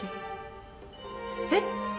えっ！？